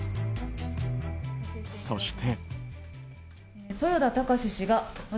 そして。